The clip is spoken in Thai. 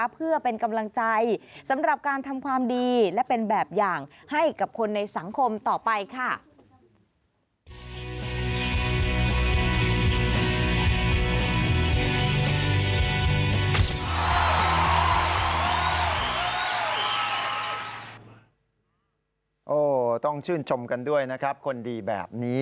เพื่อเป็นกำลังใจสำหรับการทำความดีและเป็นแบบอย่างให้กับคนในสังคมต่อไปค่ะ